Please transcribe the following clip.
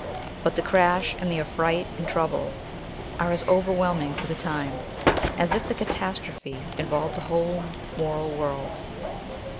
But the crash, and the affright and trouble, are as overwhelming, for the time, as if the catastrophe involved the whole moral world.